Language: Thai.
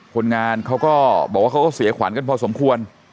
คนงานเขาก็พวกเขาเหลือหวานกันพอสมควร